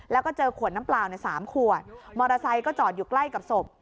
แล้วก็เจอขวดน้ำเปล่าใน๓ขวดมอเตอร์ไซค์ก็จอดอยู่ใกล้กับศพ